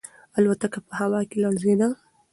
الوتکه په هوا کې لړزیده.